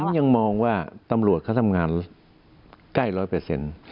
ผมยังมองว่าตำรวจเขาทำงานใกล้ร้อยเปอร์เซ็นต์